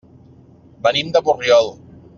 Venim de Borriol.